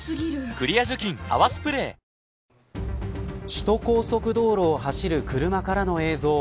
首都高速道路を走る車からの映像。